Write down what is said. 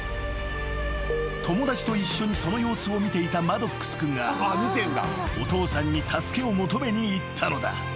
［友達と一緒にその様子を見ていたマドックス君がお父さんに助けを求めに行ったのだ］